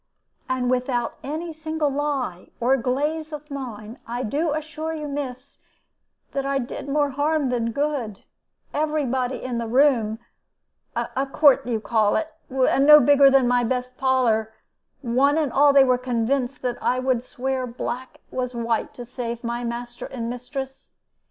And without any single lie or glaze of mine, I do assure you, miss, that I did more harm than good; every body in the room a court they called it, and no bigger than my best parlor one and all they were convinced that I would swear black was white to save my master and mistress!